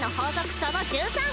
その１３！